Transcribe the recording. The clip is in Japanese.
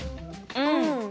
うん。